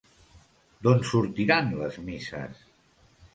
D'on sortiran les misses?